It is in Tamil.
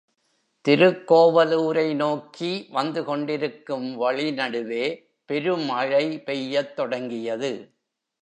திருக்கோவலூரை நோக்கி வந்துகொண்டிருக்கும் வழி நடுவே பெருமழை பெய்யத் தொடங்கியது.